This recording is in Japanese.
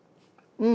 うん。